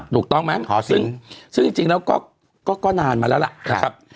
ถูกต้องไหมจริงแล้วก็นานมาแล้วล่ะ